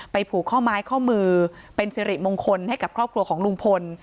ผูกข้อไม้ข้อมือเป็นสิริมงคลให้กับครอบครัวของลุงพล